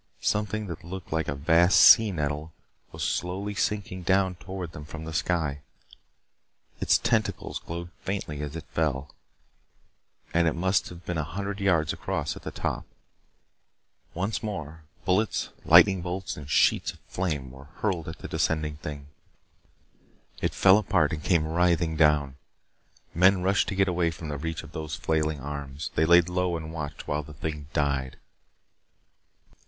Something that looked like a vast sea nettle was slowly sinking down toward them from the sky. Its tentacles glowed faintly as it fell and it must have been a hundred yards across at the top. Once more bullets, lightning bolts and sheets of flame were hurled at the descending thing. It fell apart and came writhing down. Men rushed to get away from the reach of those flailing arms. They laid low and watched while the thing died.